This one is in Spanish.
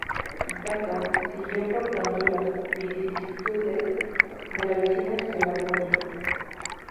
Ítaca siguió por tanto las vicisitudes de la vecina Cefalonia.